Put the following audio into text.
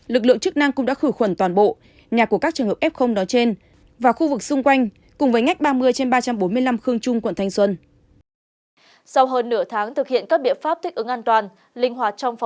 lực lượng chức năng cũng đã khử khuẩn toàn bộ nhà của các trường hợp f